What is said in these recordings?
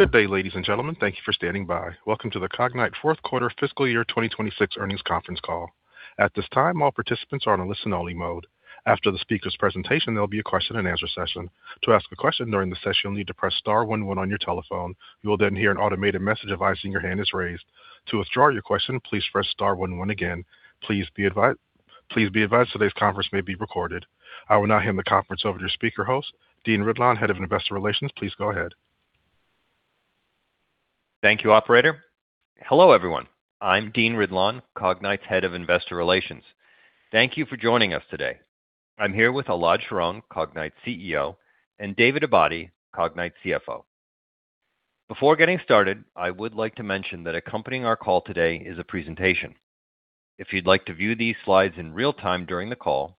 Good day, ladies and gentlemen. Thank you for standing by. Welcome to the Cognyte fourth quarter fiscal year 2026 earnings conference call. At this time, all participants are on a listen-only mode. After the speaker's presentation, there'll be a question and answer session. To ask a question during the session, you'll need to press star one one on your telephone. You will then hear an automated message advising your hand is raised. To withdraw your question, please press star one one again. Please be advised today's conference may be recorded. I will now hand the conference over to your speaker host, Dean Ridlon, Head of Investor Relations. Please go ahead. Thank you, operator. Hello, everyone. I'm Dean Ridlon, Cognyte's Head of Investor Relations. Thank you for joining us today. I'm here with Elad Sharon, Cognyte's CEO, and David Abadi, Cognyte's CFO. Before getting started, I would like to mention that accompanying our call today is a presentation. If you'd like to view these slides in real-time during the call,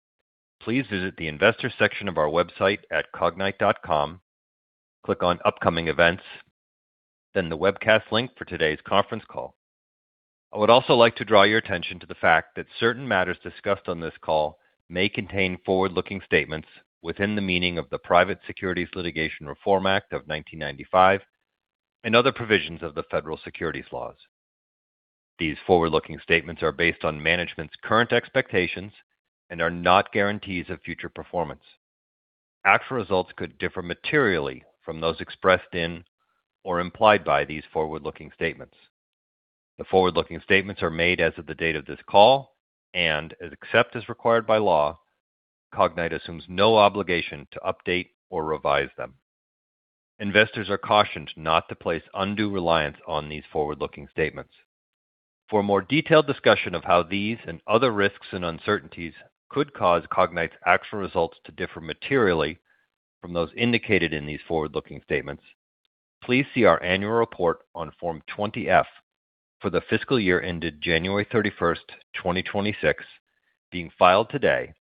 please visit the investor section of our website at cognyte.com, click on Upcoming Events, then the webcast link for today's conference call. I would also like to draw your attention to the fact that certain matters discussed on this call may contain forward-looking statements within the meaning of the Private Securities Litigation Reform Act of 1995 and other provisions of the federal securities laws. These forward-looking statements are based on management's current expectations and are not guarantees of future performance. Actual results could differ materially from those expressed in or implied by these forward-looking statements. The forward-looking statements are made as of the date of this call and except as required by law, Cognyte assumes no obligation to update or revise them. Investors are cautioned not to place undue reliance on these forward-looking statements. For a more detailed discussion of how these and other risks and uncertainties could cause Cognyte's actual results to differ materially from those indicated in these forward-looking statements, please see our annual report on Form 20-F for the fiscal year ended January 31, 2026 being filed today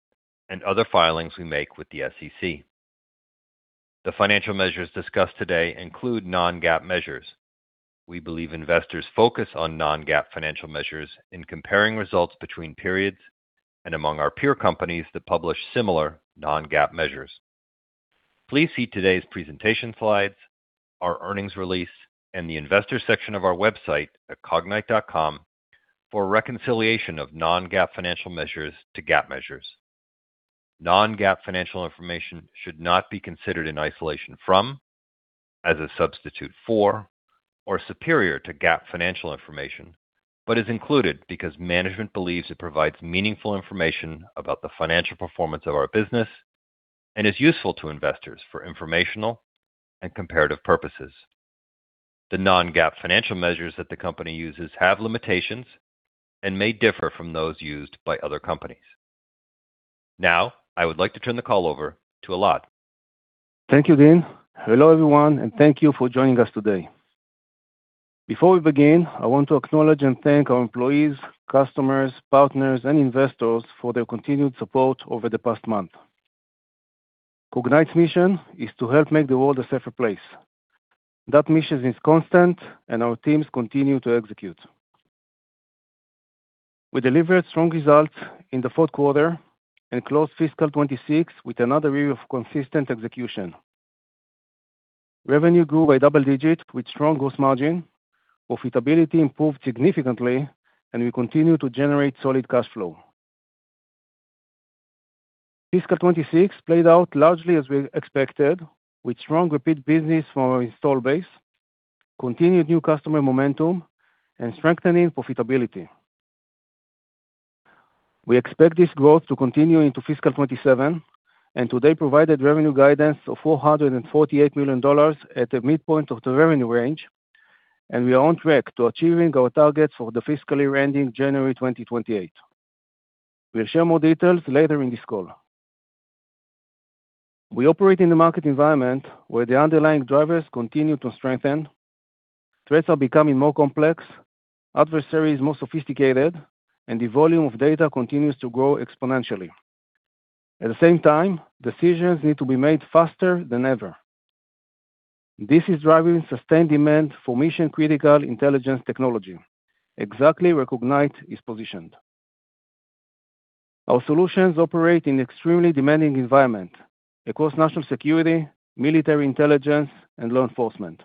and other filings we make with the SEC. The financial measures discussed today include non-GAAP measures. We believe investors focus on non-GAAP financial measures in comparing results between periods and among our peer companies that publish similar non-GAAP measures. Please see today's presentation slides, our earnings release, and the investor section of our website at cognyte.com for reconciliation of non-GAAP financial measures to GAAP measures. Non-GAAP financial information should not be considered in isolation from, as a substitute for, or superior to GAAP financial information, but is included because management believes it provides meaningful information about the financial performance of our business and is useful to investors for informational and comparative purposes. The non-GAAP financial measures that the company uses have limitations and may differ from those used by other companies. Now, I would like to turn the call over to Elad. Thank you, Dean. Hello, everyone, and thank you for joining us today. Before we begin, I want to acknowledge and thank our employees, customers, partners, and investors for their continued support over the past month. Cognyte's mission is to help make the world a safer place. That mission is constant, and our teams continue to execute. We delivered strong results in the fourth quarter and closed fiscal 2026 with another year of consistent execution. Revenue grew by double digits with strong gross margin, profitability improved significantly, and we continue to generate solid cash flow. Fiscal 2026 played out largely as we expected, with strong repeat business from our installed base, continued new customer momentum, and strengthening profitability. We expect this growth to continue into fiscal 2027 and today provided revenue guidance of $448 million at the midpoint of the revenue range, and we are on track to achieving our targets for the fiscal year ending January 2028. We'll share more details later in this call. We operate in a market environment where the underlying drivers continue to strengthen, threats are becoming more complex, adversaries more sophisticated, and the volume of data continues to grow exponentially. At the same time, decisions need to be made faster than ever. This is driving sustained demand for mission-critical intelligence technology, exactly where Cognyte is positioned. Our solutions operate in extremely demanding environment across national security, military intelligence, and law enforcement.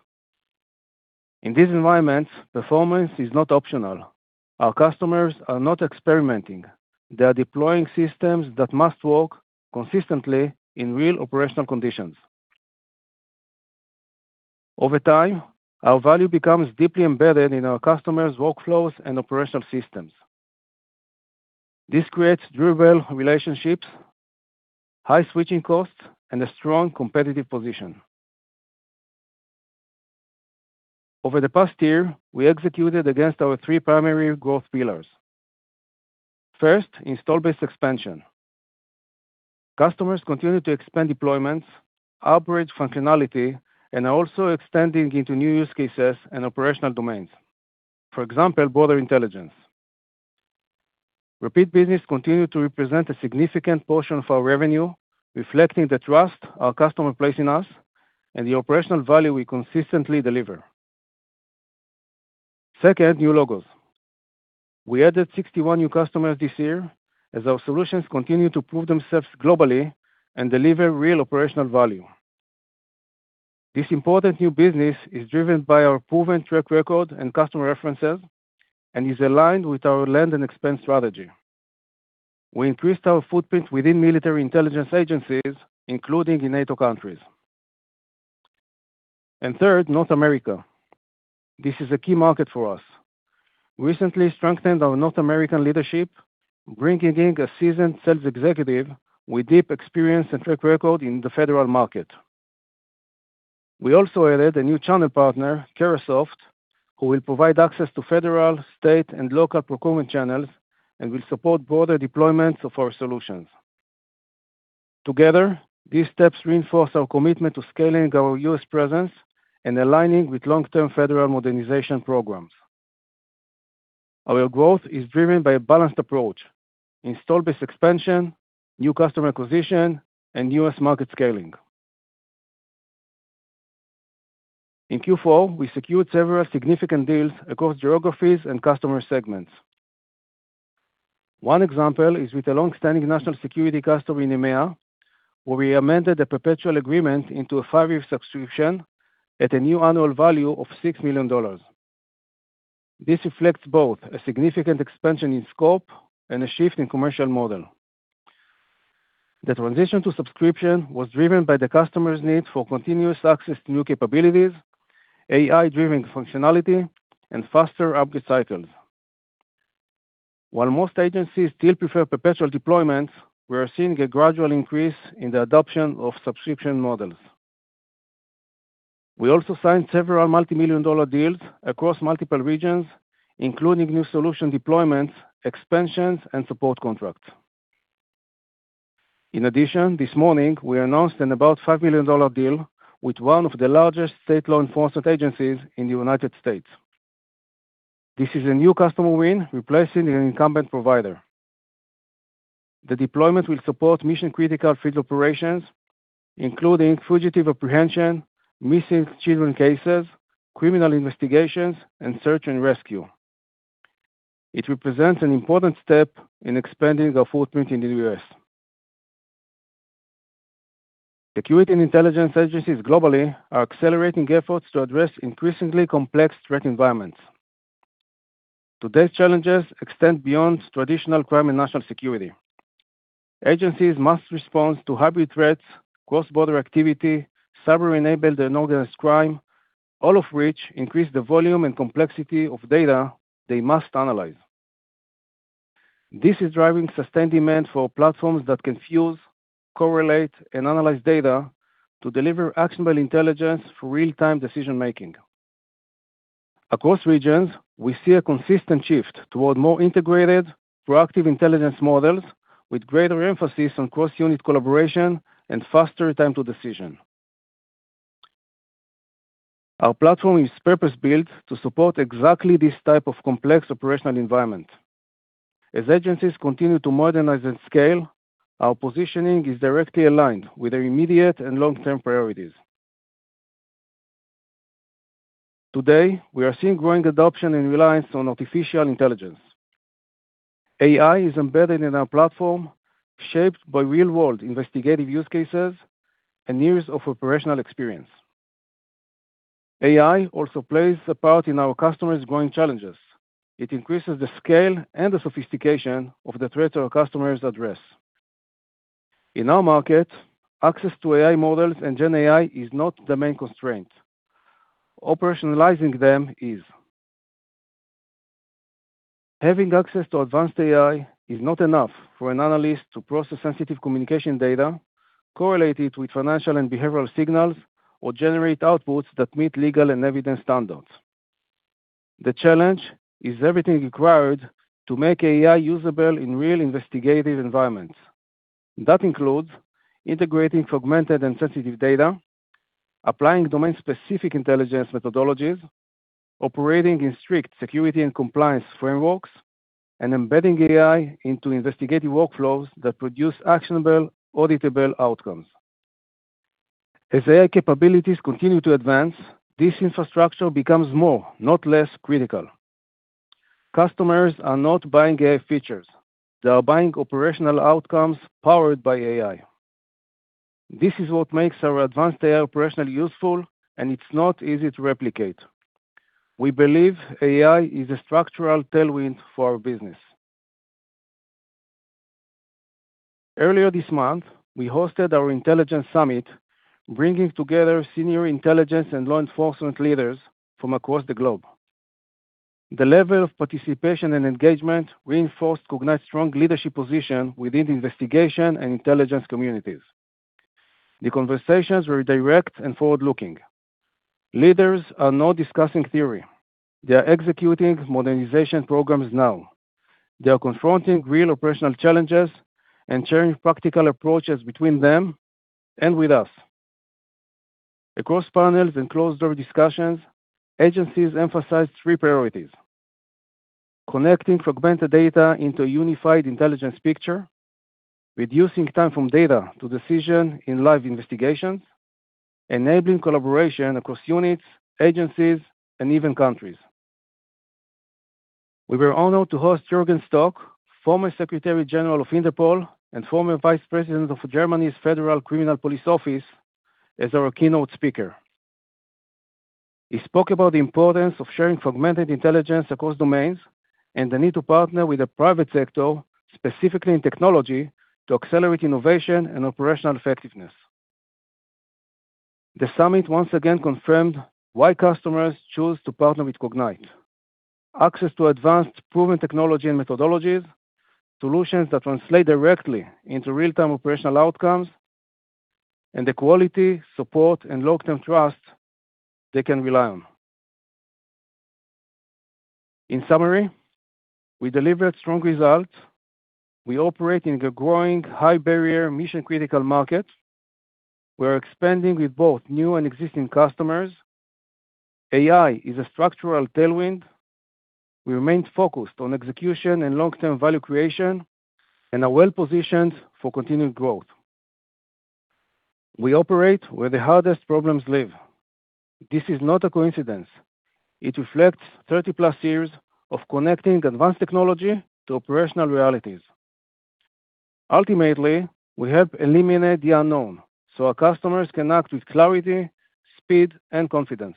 In these environments, performance is not optional. Our customers are not experimenting. They are deploying systems that must work consistently in real operational conditions. Over time, our value becomes deeply embedded in our customers' workflows and operational systems. This creates durable relationships, high switching costs, and a strong competitive position. Over the past year, we executed against our three primary growth pillars. First, install base expansion. Customers continue to expand deployments, operate functionality, and are also extending into new use cases and operational domains. For example, border intelligence. Repeat business continue to represent a significant portion of our revenue, reflecting the trust our customer place in us and the operational value we consistently deliver. Second, new logos. We added 61 new customers this year as our solutions continue to prove themselves globally and deliver real operational value. This important new business is driven by our proven track record and customer references and is aligned with our land and expand strategy. We increased our footprint within military intelligence agencies, including in NATO countries. Third, North America. This is a key market for us. We recently strengthened our North American leadership, bringing in a seasoned sales executive with deep experience and track record in the federal market. We also added a new channel partner, Carahsoft, who will provide access to federal, state, and local procurement channels and will support broader deployments of our solutions. Together, these steps reinforce our commitment to scaling our US presence and aligning with long-term federal modernization programs. Our growth is driven by a balanced approach, install-based expansion, new customer acquisition, and US market scaling. In Q4, we secured several significant deals across geographies and customer segments. One example is with a long-standing national security customer in EMEA, where we amended a perpetual agreement into a five-year subscription at a new annual value of $6 million. This reflects both a significant expansion in scope and a shift in commercial model. The transition to subscription was driven by the customer's need for continuous access to new capabilities, AI-driven functionality, and faster update cycles. While most agencies still prefer perpetual deployments, we are seeing a gradual increase in the adoption of subscription models. We also signed several multi-million dollar deals across multiple regions, including new solution deployments, expansions, and support contracts. In addition, this morning we announced an about $5 million deal with one of the largest state law enforcement agencies in the United States. This is a new customer win replacing an incumbent provider. The deployment will support mission-critical field operations, including fugitive apprehension, missing children cases, criminal investigations, and search and rescue. It represents an important step in expanding our footprint in the US Security and intelligence agencies globally are accelerating efforts to address increasingly complex threat environments. Today's challenges extend beyond traditional crime and national security. Agencies must respond to hybrid threats, cross-border activity, cyber-enabled and organized crime, all of which increase the volume and complexity of data they must analyze. This is driving sustained demand for platforms that can fuse, correlate, and analyze data to deliver actionable intelligence for real-time decision-making. Across regions, we see a consistent shift toward more integrated, proactive intelligence models with greater emphasis on cross-unit collaboration and faster time to decision. Our platform is purpose-built to support exactly this type of complex operational environment. As agencies continue to modernize and scale, our positioning is directly aligned with their immediate and long-term priorities. Today, we are seeing growing adoption and reliance on artificial intelligence. AI is embedded in our platform, shaped by real-world investigative use cases and years of operational experience. AI also plays a part in our customers' growing challenges. It increases the scale and the sophistication of the threat our customers address. In our market, access to AI models and GenAI is not the main constraint. Operationalizing them is. Having access to advanced AI is not enough for an analyst to process sensitive communication data, correlate it with financial and behavioral signals, or generate outputs that meet legal and evidence standards. The challenge is everything required to make AI usable in real investigative environments. That includes integrating fragmented and sensitive data, applying domain-specific intelligence methodologies, operating in strict security and compliance frameworks, and embedding AI into investigative workflows that produce actionable, auditable outcomes. As AI capabilities continue to advance, this infrastructure becomes more, not less, critical. Customers are not buying AI features; they are buying operational outcomes powered by AI. This is what makes our advanced AI operationally useful, and it's not easy to replicate. We believe AI is a structural tailwind for our business. Earlier this month, we hosted our Intelligence Summit, bringing together senior intelligence and law enforcement leaders from across the globe. The level of participation and engagement reinforced Cognyte's strong leadership position within the investigation and intelligence communities. The conversations were direct and forward-looking. Leaders are now discussing theory. They are executing modernization programs now. They are confronting real operational challenges and sharing practical approaches between them and with us. Across panels and closed-door discussions, agencies emphasized three priorities, connecting fragmented data into a unified intelligence picture, reducing time from data to decision in live investigations, enabling collaboration across units, agencies, and even countries. We were honored to host Jürgen Stock, former Secretary General of Interpol and former Vice President of Germany's Federal Criminal Police Office, as our keynote speaker. He spoke about the importance of sharing fragmented intelligence across domains and the need to partner with the private sector, specifically in technology, to accelerate innovation and operational effectiveness. The summit once again confirmed why customers choose to partner with Cognyte. Access to advanced proven technology and methodologies, solutions that translate directly into real-time operational outcomes, and the quality, support, and long-term trust they can rely on. In summary, we delivered strong results. We operate in a growing high-barrier mission-critical market. We're expanding with both new and existing customers. AI is a structural tailwind. We remain focused on execution and long-term value creation and are well-positioned for continued growth. We operate where the hardest problems live. This is not a coincidence. It reflects 30+ years of connecting advanced technology to operational realities. Ultimately, we help eliminate the unknown so our customers can act with clarity, speed, and confidence.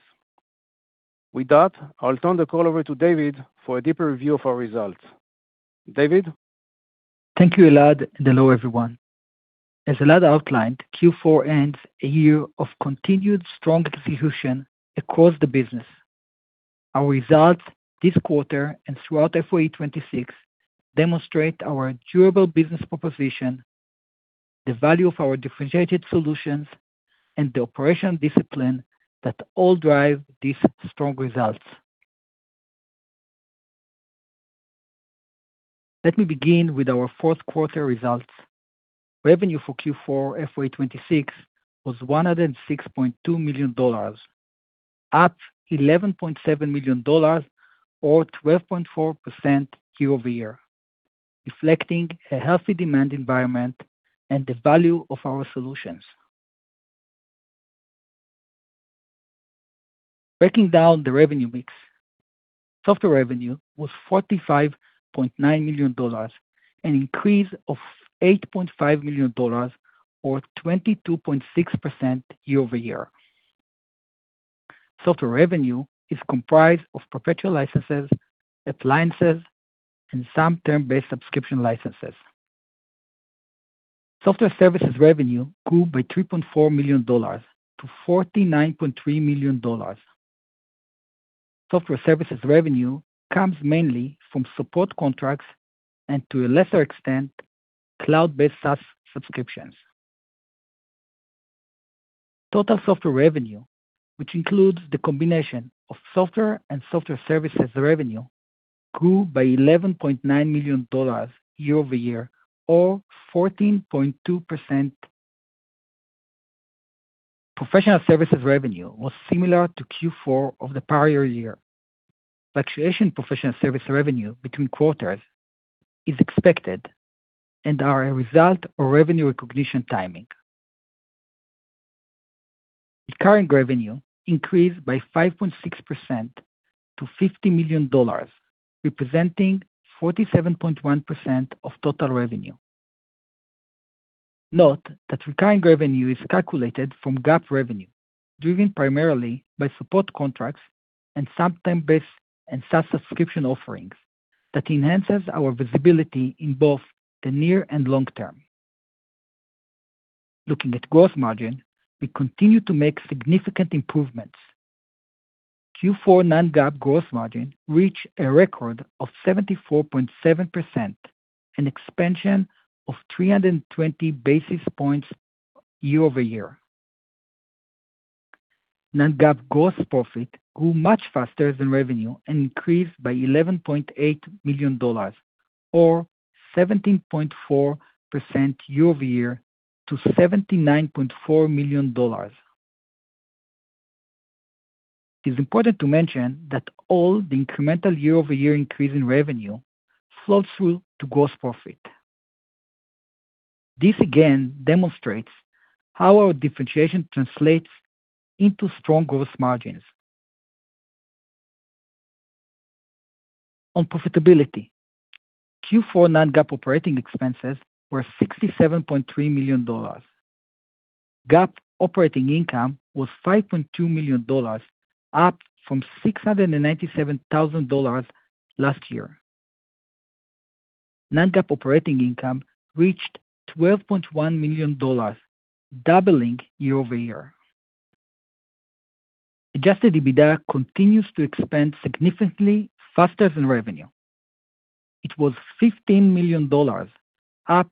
With that, I'll turn the call over to David for a deeper review of our results. David? Thank you, Elad, and hello, everyone. As Elad outlined, Q4 ends a year of continued strong execution across the business. Our results this quarter and throughout FY 2026 demonstrate our durable business proposition, the value of our differentiated solutions, and the operational discipline that all drive these strong results. Let me begin with our fourth quarter results. Revenue for Q4 FY 2026 was $106.2 million, up $11.7 million or 12.4% year-over-year, reflecting a healthy demand environment and the value of our solutions. Breaking down the revenue mix. Software revenue was $45.9 million, an increase of $8.5 million or 22.6% year-over-year. Software revenue is comprised of perpetual licenses, appliances, and some term-based subscription licenses. Software services revenue grew by $3.4 million to $49.3 million. Software services revenue comes mainly from support contracts and, to a lesser extent, cloud-based SaaS subscriptions. Total software revenue, which includes the combination of software and software services revenue, grew by $11.9 million year-over-year or 14.2%. Professional services revenue was similar to Q4 of the prior year. Fluctuations in professional services revenue between quarters are expected and are a result of revenue recognition timing. Recurrent revenue increased by 5.6% to $50 million, representing 47.1% of total revenue. Note that recurrent revenue is calculated from GAAP revenue, driven primarily by support contracts and some term-based and SaaS subscription offerings that enhances our visibility in both the near and long term. Looking at gross margin, we continue to make significant improvements. Q4 non-GAAP gross margin reached a record of 74.7%, an expansion of 320 basis points year-over-year. Non-GAAP gross profit grew much faster than revenue and increased by $11.8 million or 17.4% year-over-year to $79.4 million. It's important to mention that all the incremental year-over-year increase in revenue flows through to gross profit. This again demonstrates how our differentiation translates into strong gross margins. On profitability, Q4 non-GAAP operating expenses were $67.3 million. GAAP operating income was $5.2 million, up from $697,000 last year. Non-GAAP operating income reached $12.1 million, doubling year-over-year. Adjusted EBITDA continues to expand significantly faster than revenue. It was $15 million, up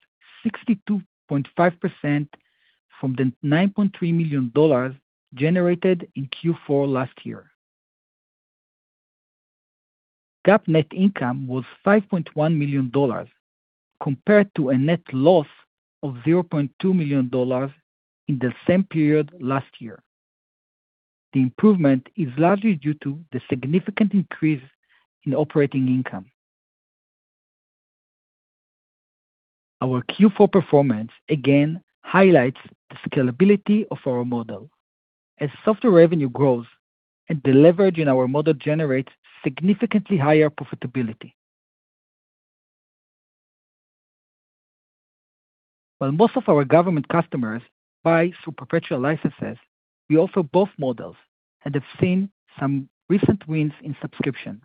62.5% from the $9.3 million generated in Q4 last year. GAAP net income was $5.1 million compared to a net loss of $0.2 million in the same period last year. The improvement is largely due to the significant increase in operating income. Our Q4 performance again highlights the scalability of our model as software revenue grows and the leverage in our model generates significantly higher profitability. While most of our government customers buy through perpetual licenses, we offer both models and have seen some recent wins in subscription.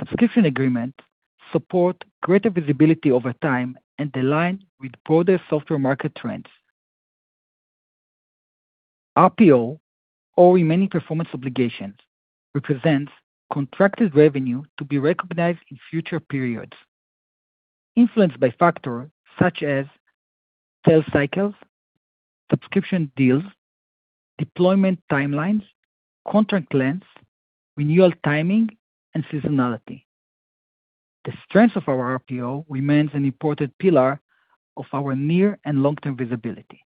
Subscription agreements support greater visibility over time and align with broader software market trends. RPO or remaining performance obligations represents contracted revenue to be recognized in future periods, influenced by factors such as sales cycles, subscription deals, deployment timelines, contract lengths, renewal timing, and seasonality. The strength of our RPO remains an important pillar of our near and long-term visibility.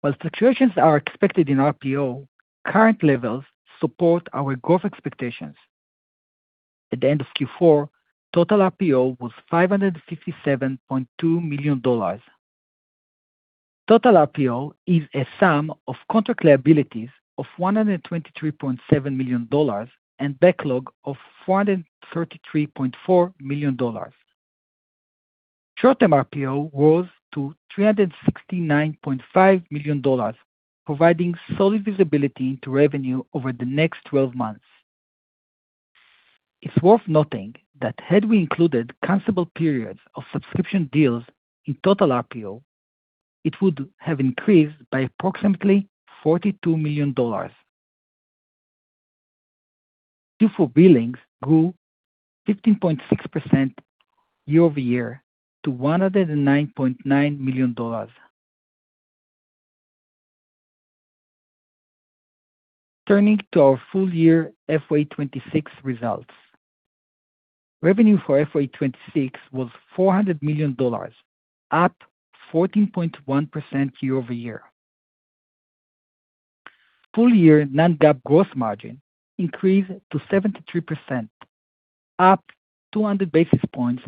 While fluctuations are expected in RPO, current levels support our growth expectations. At the end of Q4, total RPO was $557.2 million. Total RPO is a sum of contract liabilities of $123.7 million and backlog of $433.4 million. Short-term RPO rose to $369.5 million, providing solid visibility into revenue over the next twelve months. It's worth noting that had we included cancelable periods of subscription deals in total RPO, it would have increased by approximately $42 million. Q4 billings grew 15.6% year-over-year to $109.9 million. Turning to our full year FY 2026 results. Revenue for FY 2026 was $400 million, up 14.1% year-over-year. Full year non-GAAP gross margin increased to 73%, up 200 basis points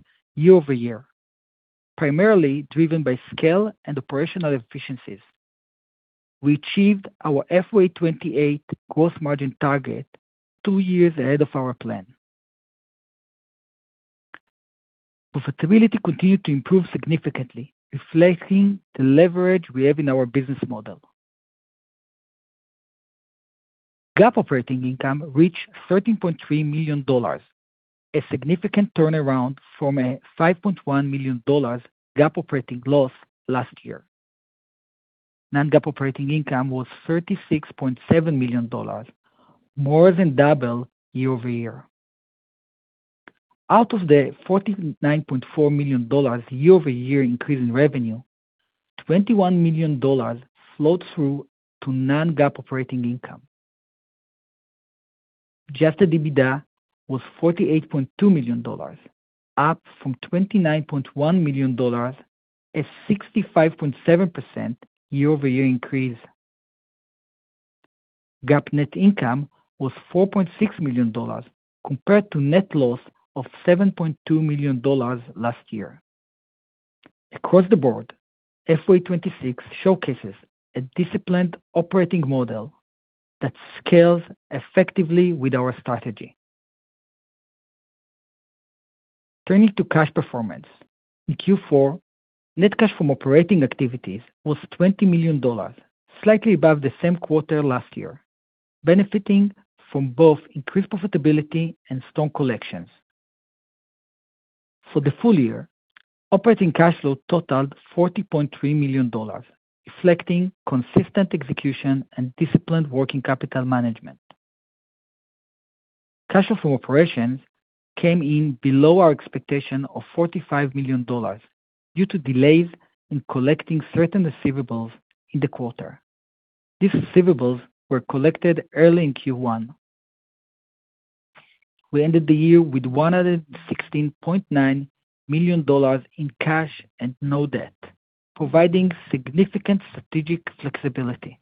year-over-year, primarily driven by scale and operational efficiencies. We achieved our FY 2028 gross margin target two years ahead of our plan. Profitability continued to improve significantly, reflecting the leverage we have in our business model. GAAP operating income reached $13.3 million, a significant turnaround from a $5.1 million GAAP operating loss last year. Non-GAAP operating income was $36.7 million, more than double year-over-year. Out of the $49.4 million year-over-year increase in revenue, $21 million flowed through to non-GAAP operating income. Adjusted EBITDA was $48.2 million, up from $29.1 million, a 65.7% year-over-year increase. GAAP net income was $4.6 million compared to net loss of $7.2 million last year. Across the board, FY 2026 showcases a disciplined operating model that scales effectively with our strategy. Turning to cash performance. In Q4, net cash from operating activities was $20 million, slightly above the same quarter last year, benefiting from both increased profitability and strong collections. For the full year, operating cash flow totaled $40.3 million, reflecting consistent execution and disciplined working capital management. Cash flow from operations came in below our expectation of $45 million due to delays in collecting certain receivables in the quarter. These receivables were collected early in Q1. We ended the year with $116.9 million in cash and no debt, providing significant strategic flexibility.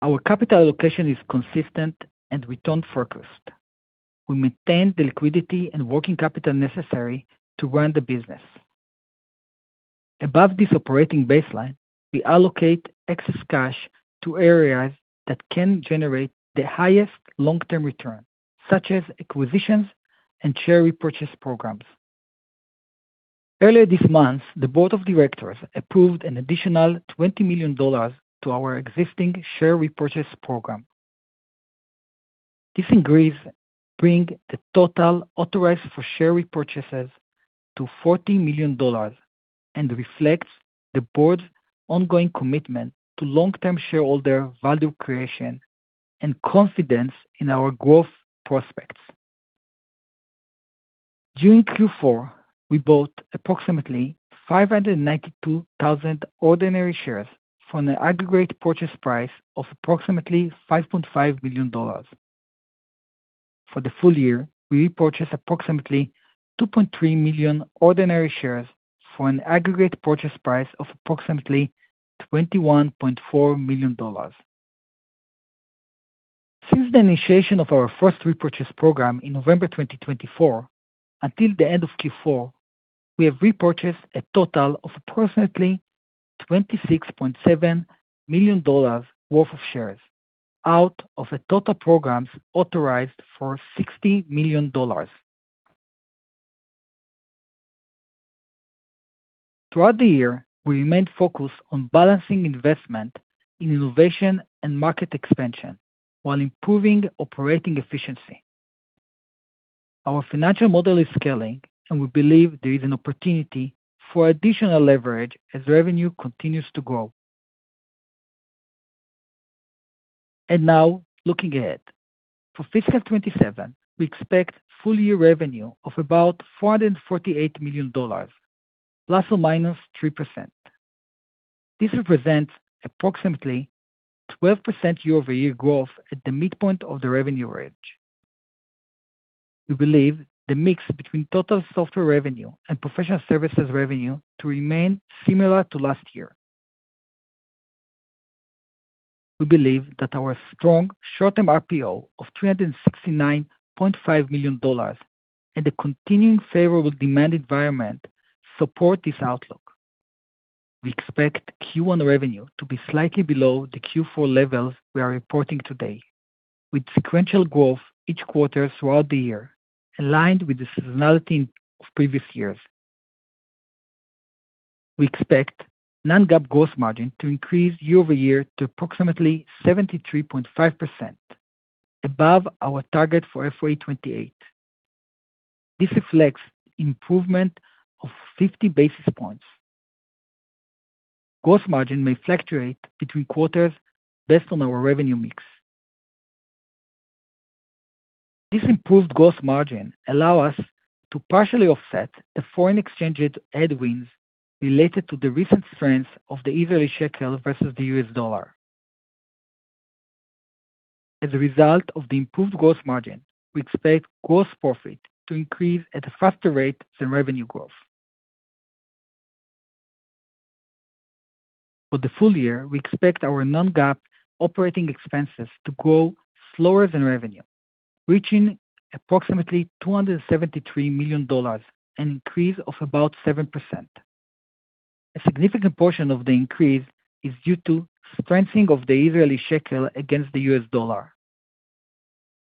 Our capital allocation is consistent and return-focused. We maintain the liquidity and working capital necessary to run the business. Above this operating baseline, we allocate excess cash to areas that can generate the highest long-term return, such as acquisitions and share repurchase programs. Earlier this month, the board of directors approved an additional $20 million to our existing share repurchase program. This increase brings the total authorized for share repurchases to $40 million and reflects the board's ongoing commitment to long-term shareholder value creation and confidence in our growth prospects. During Q4, we bought approximately 592,000 ordinary shares for an aggregate purchase price of approximately $5.5 million. For the full year, we repurchased approximately 2.3 million ordinary shares for an aggregate purchase price of approximately $21.4 million. Since the initiation of our first repurchase program in November 2024 until the end of Q4, we have repurchased a total of approximately $26.7 million worth of shares out of the total programs authorized for $60 million. Throughout the year, we remained focused on balancing investment in innovation and market expansion while improving operating efficiency. Our financial model is scaling, and we believe there is an opportunity for additional leverage as revenue continues to grow. Now looking ahead. For fiscal 2027, we expect full-year revenue of about $448 million ±3%. This represents approximately 12% year-over-year growth at the midpoint of the revenue range. We believe the mix between total software revenue and professional services revenue to remain similar to last year. We believe that our strong short-term RPO of $369.5 million and the continuing favorable demand environment support this outlook. We expect Q1 revenue to be slightly below the Q4 levels we are reporting today, with sequential growth each quarter throughout the year aligned with the seasonality in previous years. We expect non-GAAP gross margin to increase year-over-year to approximately 73.5% above our target for FY 2028. This reflects improvement of 50 basis points. Gross margin may fluctuate between quarters based on our revenue mix. This improved gross margin allow us to partially offset the foreign exchange headwinds related to the recent strength of the Israeli shekel versus the US dollar. As a result of the improved gross margin, we expect gross profit to increase at a faster rate than revenue growth. For the full year, we expect our non-GAAP operating expenses to grow slower than revenue, reaching approximately $273 million, an increase of about 7%. A significant portion of the increase is due to strengthening of the Israeli shekel against the US dollar.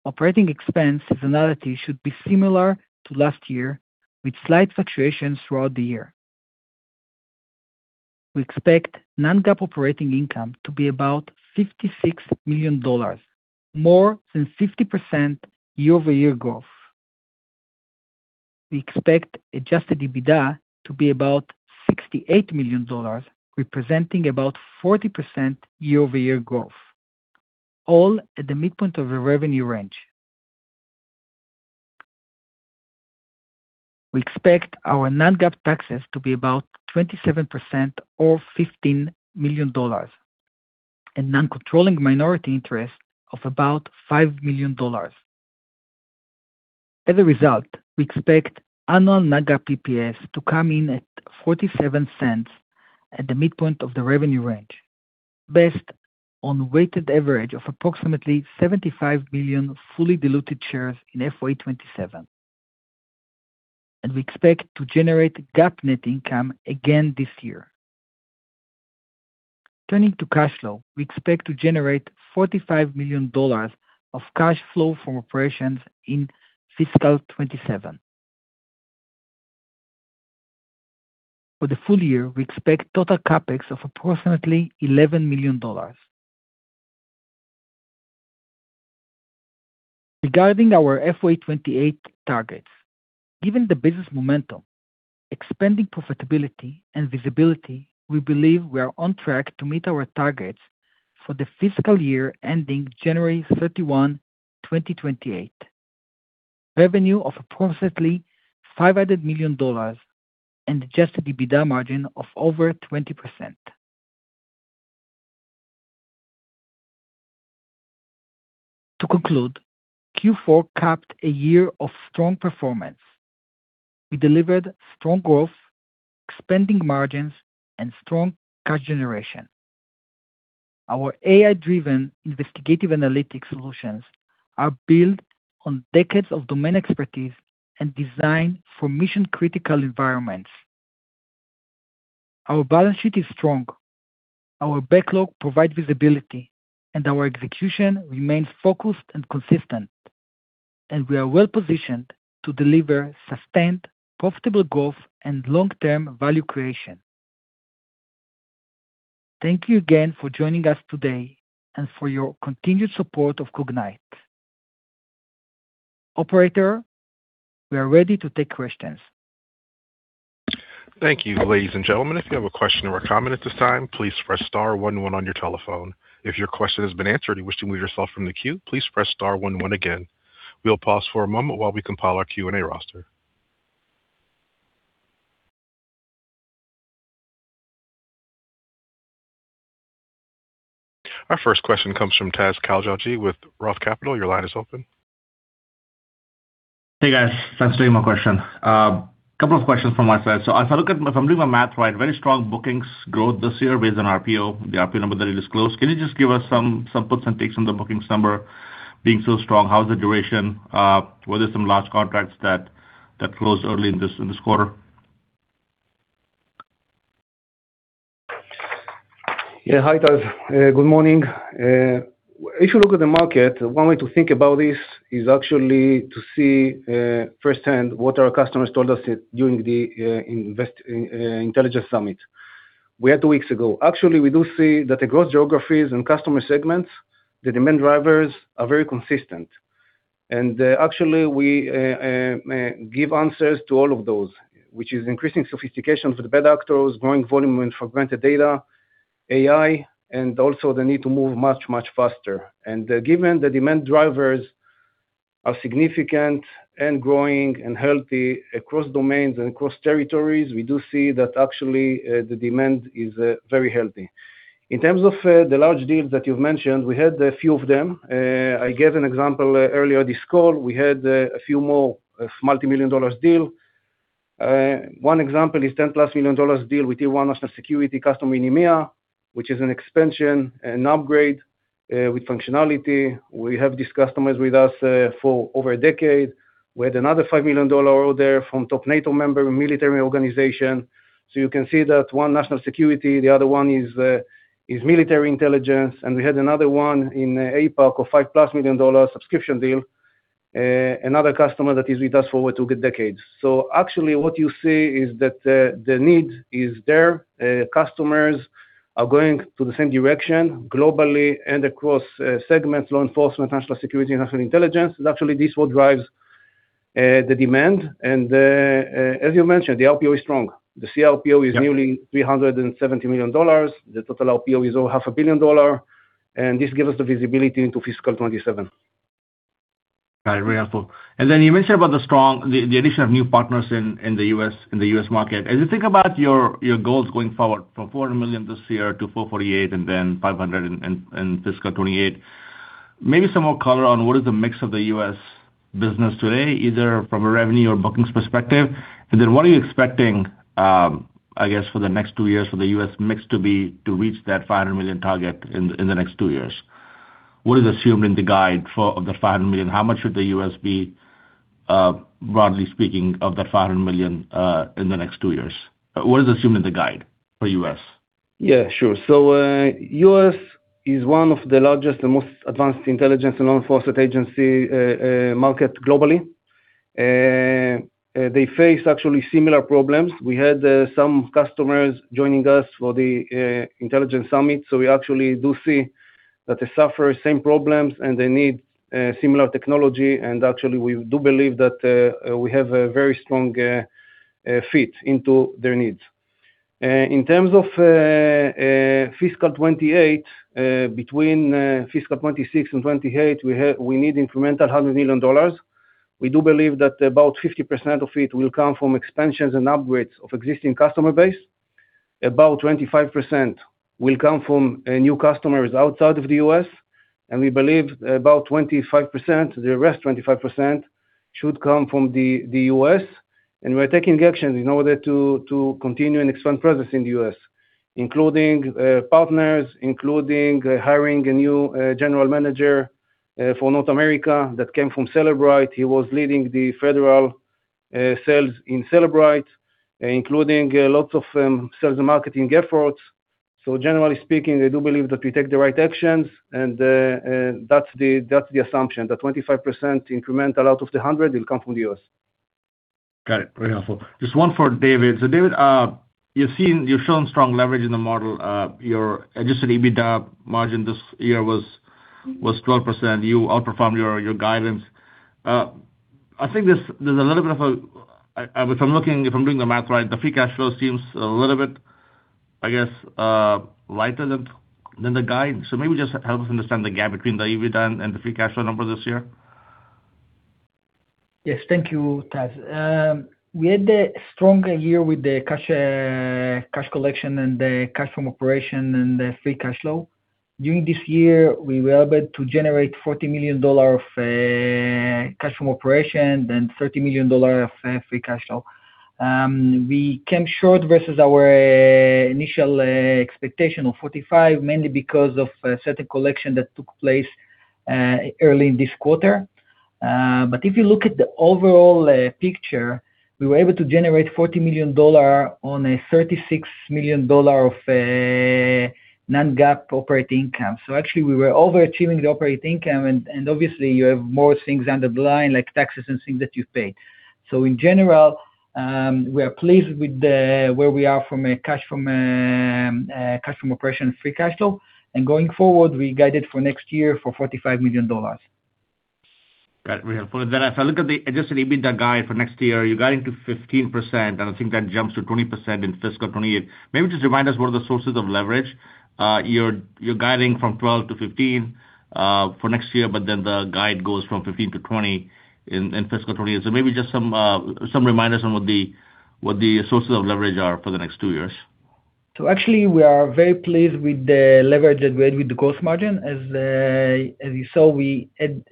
Operating expense seasonality should be similar to last year, with slight fluctuations throughout the year. We expect non-GAAP operating income to be about $56 million, more than 50% year-over-year growth. We expect adjusted EBITDA to be about $68 million, representing about 40% year-over-year growth, all at the midpoint of the revenue range. We expect our non-GAAP taxes to be about 27% or $15 million and non-controlling minority interest of about $5 million. As a result, we expect annual non-GAAP EPS to come in at $0.47 at the midpoint of the revenue range, based on weighted average of approximately 75 million fully diluted shares in FY 2027. We expect to generate GAAP net income again this year. Turning to cash flow. We expect to generate $45 million of cash flow from operations in fiscal 2027. For the full year, we expect total CapEx of approximately $11 million. Regarding our FY 2028 targets. Given the business momentum, expanding profitability and visibility, we believe we are on track to meet our targets for the fiscal year ending January 31, 2028. Revenue of approximately $500 million and adjusted EBITDA margin of over 20%. To conclude, Q4 capped a year of strong performance. We delivered strong growth, expanding margins, and strong cash generation. Our AI-driven investigative analytics solutions are built on decades of domain expertise and designed for mission-critical environments. Our balance sheet is strong, our backlog provide visibility, and our execution remains focused and consistent. We are well-positioned to deliver sustained, profitable growth and long-term value creation. Thank you again for joining us today and for your continued support of Cognyte. Operator, we are ready to take questions. Thank you. Ladies and gentlemen, if you have a question or a comment at this time, please press star one one on your telephone. If your question has been answered and you wish to remove yourself from the queue, please press star one one again. We'll pause for a moment while we compile our Q&A roster. Our first question comes from Imtiaz Koujalgi with Roth Capital. Your line is open. Hey guys, thanks for taking my question. Couple of questions from my side. As I look at, if I'm doing my math right, very strong bookings growth this year based on RPO, the RPO number that you disclosed. Can you just give us some puts and takes on the booking number being so strong? How's the duration? Were there some large contracts that closed early in this quarter? Yeah. Hi, Taz. Good morning. If you look at the market, one way to think about this is actually to see firsthand what our customers told us during the Intelligence Summit we had two weeks ago. Actually, we do see that across geographies and customer segments, the demand drivers are very consistent. Actually we give answers to all of those, which is increasing sophistication for the bad actors, growing volume and fragmented data, AI, and also the need to move much, much faster. Given the demand drivers are significant and growing and healthy across domains and across territories, we do see that actually the demand is very healthy. In terms of the large deals that you've mentioned, we had a few of them. I gave an example earlier this call. We had a few more multimillion-dollar deals. One example is a $10+ million deal with one of the security customers in EMEA, which is an expansion and upgrade with functionality. We have these customers with us for over a decade. We had another $5 million order from top NATO member military organization. You can see that one national security, the other one is military intelligence. We had another one in APAC of $5+ million subscription deal. Another customer that is with us for two decades. Actually what you see is that the need is there. Customers are going to the same direction globally and across segments, law enforcement, national security, national intelligence. Actually, this what drives the demand. As you mentioned, the RPO is strong. The cRPO is newly $370 million. The total RPO is over half a billion dollars. This gives us the visibility into fiscal 2027. All right. Very helpful. You mentioned about the strong addition of new partners in the US market. As you think about your goals going forward from $400 million this year to $448 million and then $500 million in fiscal 2028, maybe some more color on what is the mix of the US business today, either from a revenue or bookings perspective? What are you expecting, I guess, for the next two years for the US mix to be to reach that $500 million target in the next two years? What is assumed in the guide for the $500 million? How much should the US be, broadly speaking, of that $500 million in the next two years? What is assumed in the guide for US? Yeah, sure. US is one of the largest and most advanced intelligence and law enforcement agency market globally. They face actually similar problems. We had some customers joining us for the Intelligence Summit. We actually do see that they suffer same problems, and they need similar technology. Actually we do believe that we have a very strong fit into their needs. In terms of between fiscal 2026 and 2028, we need incremental $100 million. We do believe that about 50% of it will come from expansions and upgrades of existing customer base. About 25% will come from new customers outside of the US We believe about 25%, the rest 25% should come from the US We're taking actions in order to continue and expand presence in the US, including partners, including hiring a new general manager for North America that came from Cellebrite. He was leading the federal sales in Cellebrite, including lots of sales and marketing efforts. Generally speaking, we do believe that we take the right actions and that's the assumption, that 25% incremental out of the 100 will come from the US Got it. Very helpful. Just one for David. David, you've shown strong leverage in the model. Your adjusted EBITDA margin this year was 12%. You outperformed your guidance. I think there's a little bit of a. If I'm doing the math right, the free cash flow seems a little bit, I guess, lighter than the guide. Maybe just help us understand the gap between the EBITDA and the free cash flow number this year? Yes, thank you, Taz. We had a strong year with the cash collection and the cash from operations and the free cash flow. During this year, we were able to generate $40 million of cash from operations, then $30 million of free cash flow. We came short versus our initial expectation of $45 million, mainly because of a certain collection that took place early in this quarter. But if you look at the overall picture, we were able to generate $40 million on a $36 million of non-GAAP operating income. So actually we were overachieving the operating income. Obviously you have more things underlying like taxes and things that you pay.In general, we are pleased with where we are from a cash from operations, free cash flow. Going forward, we guided for next year for $45 million. Got it. Very helpful. If I look at the adjusted EBITDA guide for next year, you're guiding to 15%, and I think that jumps to 20% in fiscal 2028. Maybe just remind us what are the sources of leverage. You're guiding from 12%-15% for next year, but then the guide goes from 15%-20% in fiscal 2028. Maybe just some reminders on what the sources of leverage are for the next two years. Actually we are very pleased with the leverage that we had with the gross margin. As you saw, we had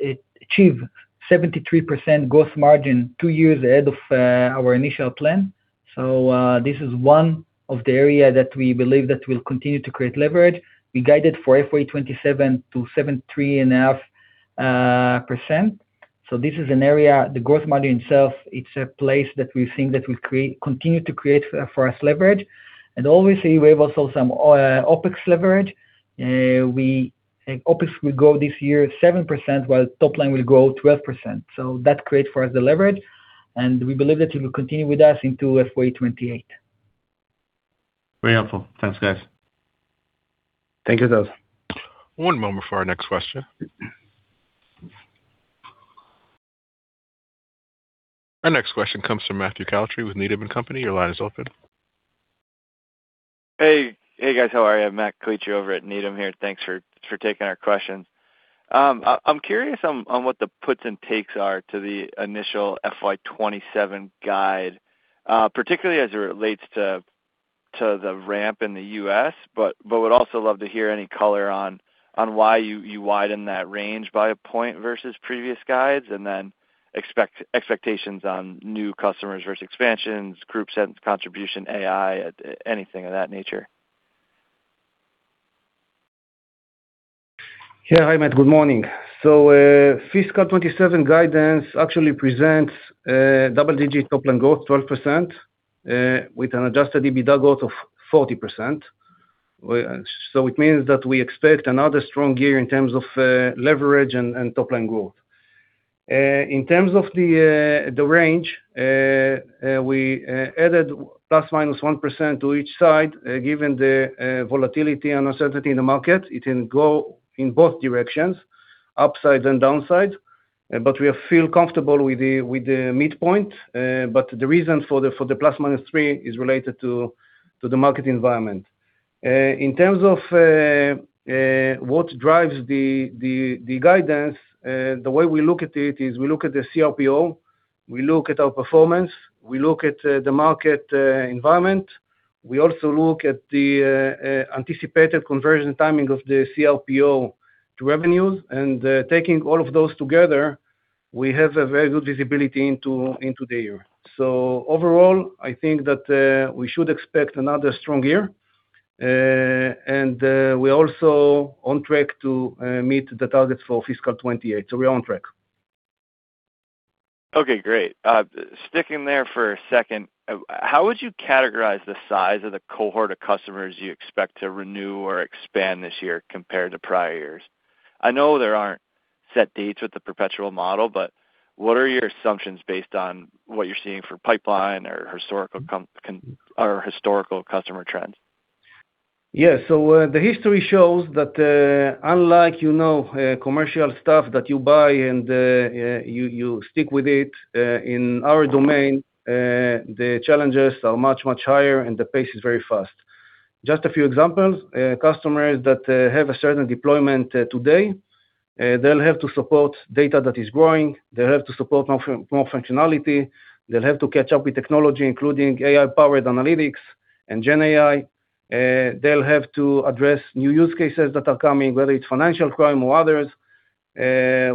achieved 73% gross margin two years ahead of our initial plan. This is one of the areas that we believe that will continue to create leverage. We guided for FY 2027 to 73.5%. This is an area, the gross margin itself, it's a place that we think that will continue to create for us leverage. Obviously we have also some OpEx leverage. OpEx will grow this year 7% while top line will grow 12%. That creates for us the leverage, and we believe that it will continue with us into FY 2028. Very helpful. Thanks, guys. Thank you, Taz. One moment for our next question. Our next question comes from Matthew Calitri with Needham & Company. Your line is open. Hey. Hey, guys. How are you? Matt Calitri over at Needham here. Thanks for taking our question. I'm curious on what the puts and takes are to the initial FY 2027 guide, particularly as it relates to the ramp in the US, but would also love to hear any color on why you widen that range by a point versus previous guides, and then expectations on new customers versus expansions, gross margin contribution, AI, anything of that nature. Yeah. Hi, Matt. Good morning. Fiscal 2027 guidance actually presents double-digit top line growth, 12%, with an adjusted EBITDA growth of 40%. It means that we expect another strong year in terms of leverage and top line growth. In terms of the range, we added ±1% to each side, given the volatility and uncertainty in the market. It can go in both directions, upside and downside, but we feel comfortable with the midpoint. The reason for the ±3% is related to the market environment. In terms of what drives the guidance, the way we look at it is we look at the cRPO, we look at our performance, we look at the market environment. We also look at the anticipated conversion timing of the cRPO to revenues. Taking all of those together, we have a very good visibility into the year. Overall, I think that we should expect another strong year. We're also on track to meet the targets for fiscal 2028. We're on track. Okay, great. Sticking there for a second, how would you categorize the size of the cohort of customers you expect to renew or expand this year compared to prior years? I know there aren't set dates with the perpetual model, but what are your assumptions based on what you're seeing for pipeline or historical customer trends? Yeah. The history shows that, unlike, you know, commercial stuff that you buy and, you stick with it, in our domain, the challenges are much higher, and the pace is very fast. Just a few examples, customers that have a certain deployment today, they'll have to support data that is growing. They'll have to support more functionality. They'll have to catch up with technology, including AI-powered analytics and GenAI. They'll have to address new use cases that are coming, whether it's financial crime or others.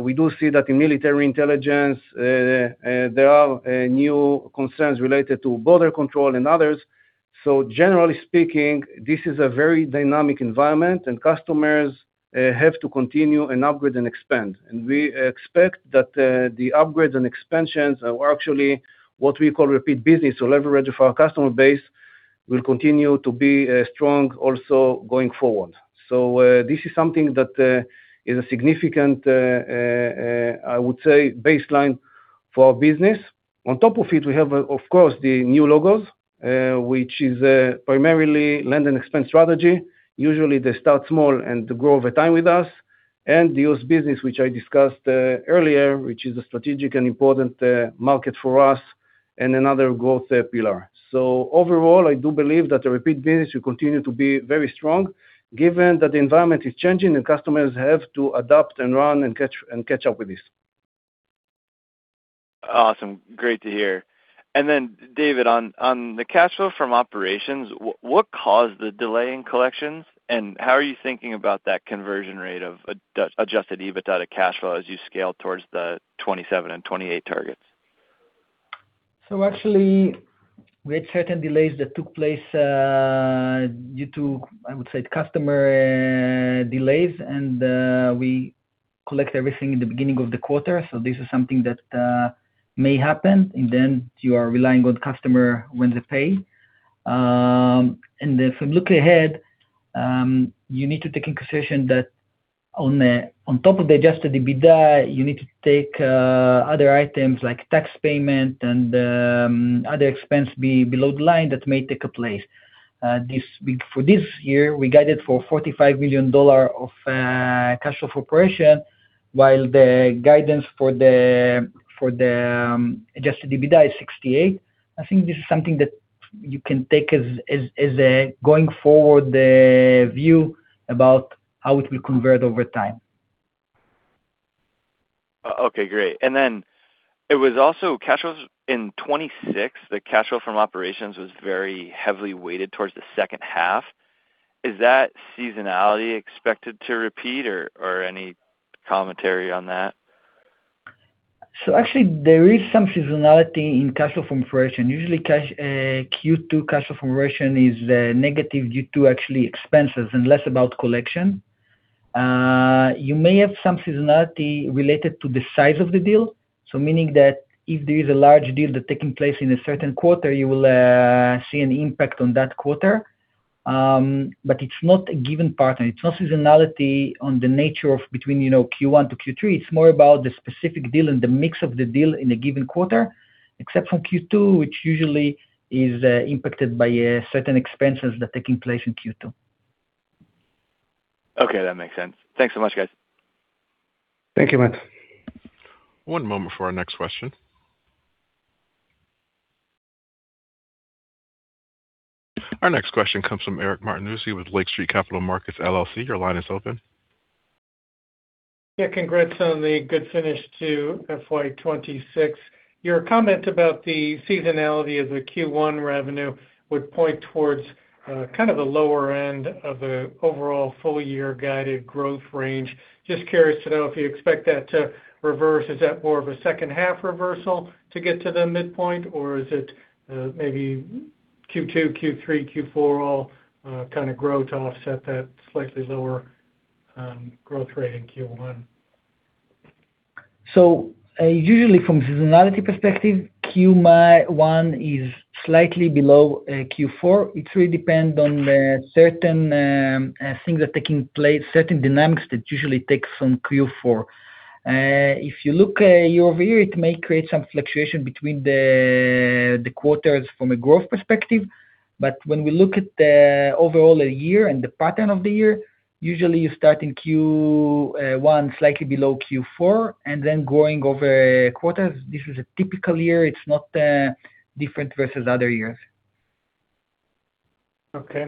We do see that in military intelligence, there are new concerns related to border control and others. Generally speaking, this is a very dynamic environment and customers have to continue and upgrade and expand. We expect that the upgrades and expansions are actually what we call repeat business or leverage of our customer base will continue to be strong also going forward. This is something that is a significant, I would say baseline for our business. On top of it, we have, of course, the new logos, which is primarily land and expand strategy. Usually they start small and grow over time with us. The US business, which I discussed earlier, which is a strategic and important market for us and another growth pillar. Overall, I do believe that the repeat business will continue to be very strong given that the environment is changing and customers have to adapt and run and catch up with this. Awesome. Great to hear. David, on the cash flow from operations, what caused the delay in collections, and how are you thinking about that conversion rate of adjusted EBITDA to cash flow as you scale towards the 2027 and 2028 targets? Actually, we had certain delays that took place due to, I would say, customer delays, and we collect everything in the beginning of the quarter. This is something that may happen, and then you are relying on customers when they pay. If you look ahead, you need to take into consideration that on top of the adjusted EBITDA, you need to take other items like tax payment and other expense below the line that may take place. For this year, we guided for $45 million of cash flow from operations, while the guidance for the adjusted EBITDA is $68 million. I think this is something that you can take as a going-forward view about how it will convert over time. Oh, okay, great. It was also cash flows in 2026, the cash flow from operations was very heavily weighted towards the second half. Is that seasonality expected to repeat or any commentary on that? Actually there is some seasonality in cash flow from operation. Usually Q2 cash flow from operation is negative due to actually expenses and less about collection. You may have some seasonality related to the size of the deal. Meaning that if there is a large deal that taking place in a certain quarter, you will see an impact on that quarter. It's not a given pattern. It's not seasonality on the nature of between, you know, Q1 to Q3. It's more about the specific deal and the mix of the deal in a given quarter, except for Q2, which usually is impacted by certain expenses that are taking place in Q2. Okay, that makes sense. Thanks so much, guys. Thank you, Matt. One moment for our next question. Our next question comes from Eric Martinuzzi with Lake Street Capital Markets, LLC. Your line is open. Yeah, congrats on the good finish to FY 2026. Your comment about the seasonality of the Q1 revenue would point towards kind of the lower end of the overall full year guided growth range. Just curious to know if you expect that to reverse. Is that more of a second half reversal to get to the midpoint, or is it maybe Q2, Q3, Q4 all kinda grow to offset that slightly lower growth rate in Q1? Usually from seasonality perspective, Q1 is slightly below Q4. It really depends on certain things that are taking place, certain dynamics that usually takes from Q4. If you look year-over-year, it may create some fluctuation between the quarters from a growth perspective. When we look at the overall a year and the pattern of the year, usually you start in Q1, slightly below Q4, and then growing over quarters. This is a typical year. It's not different versus other years. Okay.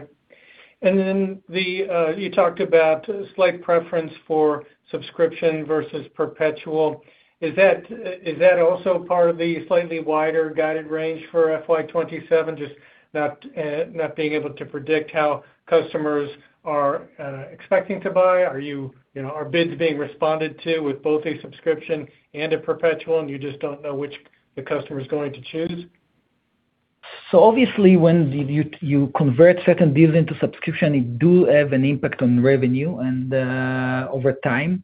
You talked about slight preference for subscription versus perpetual. Is that also part of the slightly wider guided range for FY 2027, just not being able to predict how customers are expecting to buy? Are you know, are bids being responded to with both a subscription and a perpetual, and you just don't know which the customer is going to choose? Obviously when you convert certain deals into subscription, it do have an impact on revenue and over time.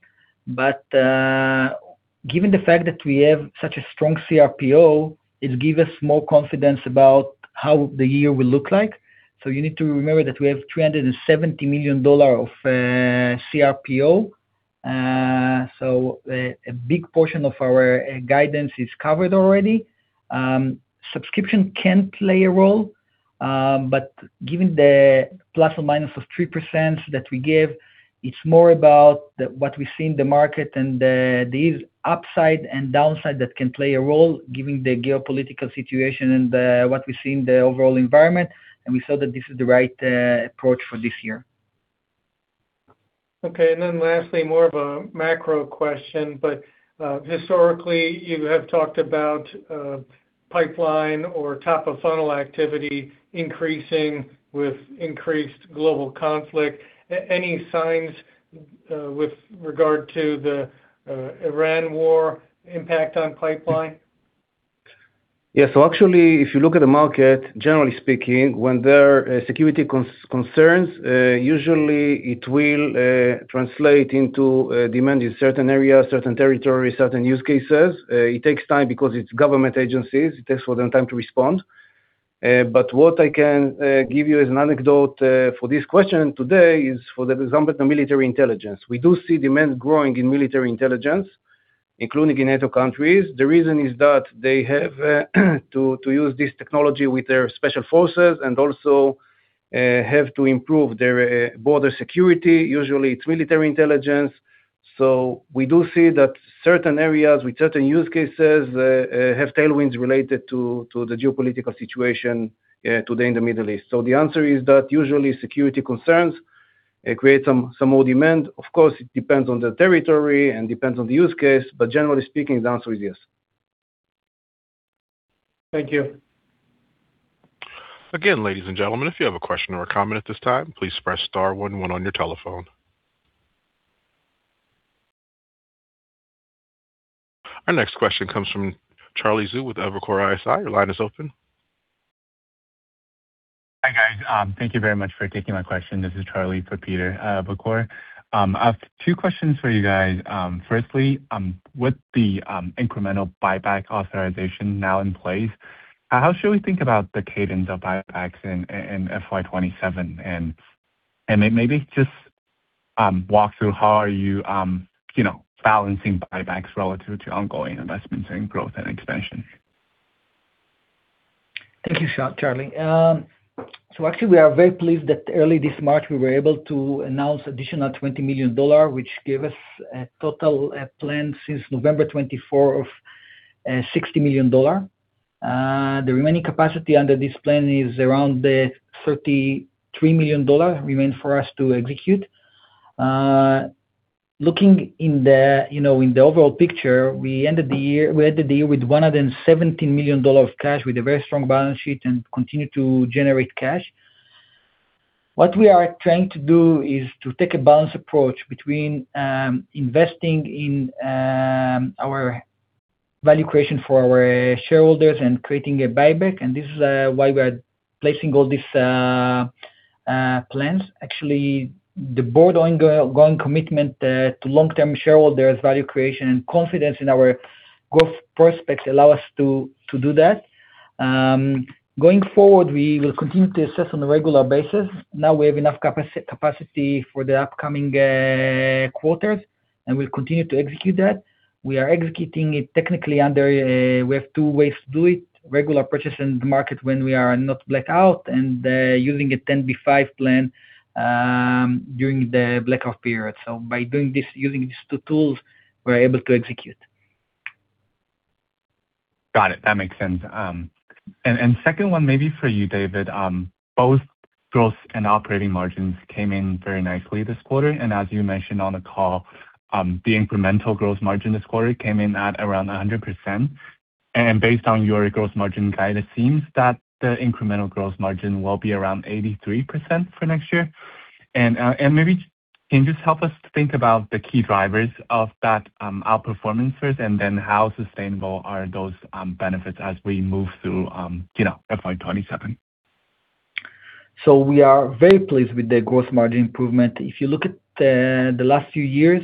Given the fact that we have such a strong cRPO, it give us more confidence about how the year will look like. You need to remember that we have $270 million of cRPO. A big portion of our guidance is covered already. Subscription can play a role, but given the ±3% that we give, it's more about what we see in the market and these upside and downside that can play a role given the geopolitical situation and what we see in the overall environment. We saw that this is the right approach for this year. Okay. Lastly, more of a macro question, but historically, you have talked about pipeline or top of funnel activity increasing with increased global conflict. Any signs with regard to the Iran war impact on pipeline? Yeah. Actually, if you look at the market, generally speaking, when there are security concerns, usually it will translate into demand in certain areas, certain territories, certain use cases. It takes time because it's government agencies. It takes time for them to respond. What I can give you as an anecdote for this question today is for the example of the military intelligence. We do see demand growing in military intelligence, including in NATO countries. The reason is that they have to use this technology with their special forces and also have to improve their border security. Usually, it's military intelligence. We do see that certain areas with certain use cases have tailwinds related to the geopolitical situation today in the Middle East. The answer is that usually security concerns create some more demand. Of course, it depends on the territory and depends on the use case, but generally speaking, the answer is yes. Thank you. Again, ladies and gentlemen, if you have a question or a comment at this time, please press star one one on your telephone. Our next question comes from Peter Levine with Evercore ISI. Your line is open. Hi, guys. Thank you very much for taking my question. This is Charlie for Peter, Evercore. I have two questions for you guys. Firstly, with the incremental buyback authorization now in place, how should we think about the cadence of buybacks in FY 2027? And maybe just walk through how are you you know balancing buybacks relative to ongoing investments and growth and expansion? Thank you, Charlie. So actually we are very pleased that early this March, we were able to announce additional $20 million, which gave us a total plan since November 2024 of $60 million. The remaining capacity under this plan is around the $33 million remain for us to execute. Looking in the, you know, in the overall picture, we ended the year with $170 million of cash with a very strong balance sheet and continue to generate cash. What we are trying to do is to take a balanced approach between investing in our value creation for our shareholders and creating a buyback. This is why we are placing all these plans. Actually, the board's ongoing commitment to long-term shareholders value creation, and confidence in our growth prospects allow us to do that. Going forward, we will continue to assess on a regular basis. Now we have enough capacity for the upcoming quarters, and we'll continue to execute that. We are executing it technically. We have two ways to do it, regular purchase in the market when we are not blacked out and using a 10b5-1 plan during the blackout period. By doing this, using these two tools, we're able to execute. Got it. That makes sense. Second one maybe for you, David. Both growth and operating margins came in very nicely this quarter, and as you mentioned on the call, the incremental growth margin this quarter came in at around 100%. Based on your growth margin guide, it seems that the incremental growth margin will be around 83% for next year. Maybe can you just help us think about the key drivers of that outperformance first, and then how sustainable are those benefits as we move through, you know, FY 2027? We are very pleased with the growth margin improvement. If you look at the last few years,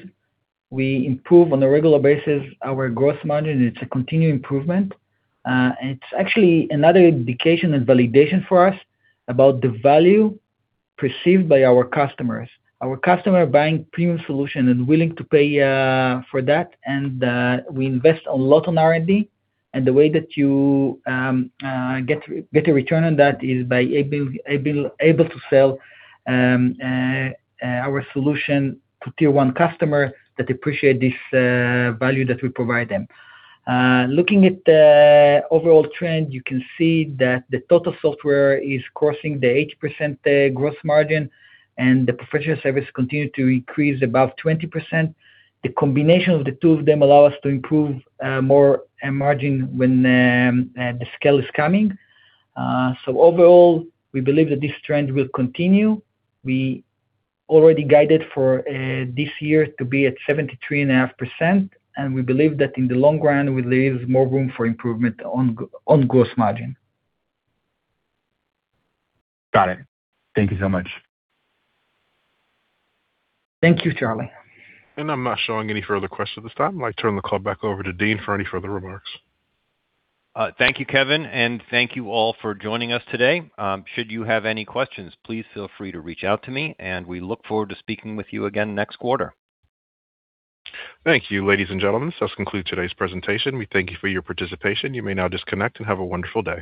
we improve on a regular basis our growth margin, and it's a continued improvement. It's actually another indication and validation for us about the value perceived by our customers. Our customer buying premium solution and willing to pay for that, and we invest a lot on R&D. The way that you get a return on that is by able to sell our solution to tier one customer that appreciate this value that we provide them. Looking at the overall trend, you can see that the total software is crossing the 80% growth margin, and the professional service continue to increase above 20%. The combination of the two of them allow us to improve more margin when the scale is coming. Overall, we believe that this trend will continue. We already guided for this year to be at 73.5%, and we believe that in the long run, we leave more room for improvement on gross margin. Got it. Thank you so much. Thank you, Charlie. I'm not showing any further questions at this time. I'd like to turn the call back over to Dean for any further remarks. Thank you, Kevin, and thank you all for joining us today. Should you have any questions, please feel free to reach out to me, and we look forward to speaking with you again next quarter. Thank you, ladies and gentlemen. This does conclude today's presentation. We thank you for your participation. You may now disconnect and have a wonderful day.